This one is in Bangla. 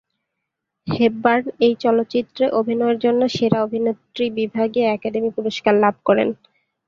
হেপবার্ন এই চলচ্চিত্রে অভিনয়ের জন্যে সেরা অভিনেত্রী বিভাগে একাডেমি পুরস্কার লাভ করেন।